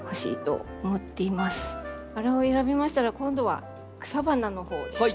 バラを選びましたら今度は草花のほうですね。